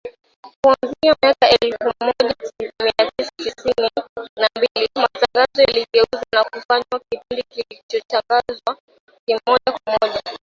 Kuanzia mwaka elfu moja mia tisa sitini na mbili matangazo yaligeuzwa na kufanywa kipindi kilichotangazwa moja kwa moja